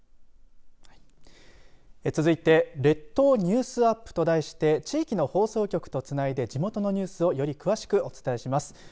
続いて列島ニュースアップと題して地域の放送局とつないで地元のニュースをより詳しくお伝えします。